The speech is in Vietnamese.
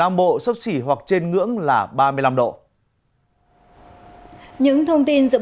nam bộ sốc xỉ hoặc trên ngưỡng là ba mươi năm độ